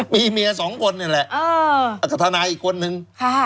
มีเมียสองคนนี่แหละอัธนายอีกคนนึง